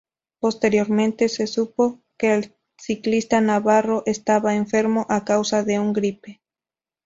Posteriormente se supo que el ciclista navarro estaba enfermo a causa de un gripe.